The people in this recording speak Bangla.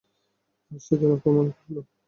আর সেদিন অপমান করলো।